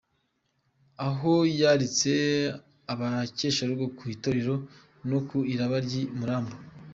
Aho yaritse abakesharugo ku itetero no ku iraba ry’i Muramba